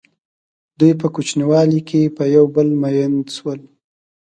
دوی په کوچنیوالي کې په یو بل مئین شول.